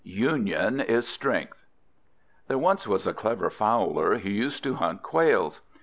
UNION IS STRENGTH There once was a clever Fowler who used to hunt quails.